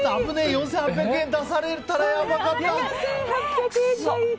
４８００円出されたらやばかった。